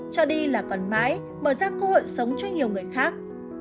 cho đi là còn mãi mở ra cơ hội sống cho nhiều người khác